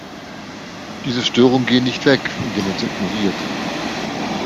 Diese Störungen gehen nicht weg, indem man sie ignoriert.